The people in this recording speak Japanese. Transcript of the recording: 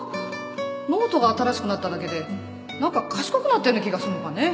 ノートが新しくなっただけで何か賢くなったような気がすんのかね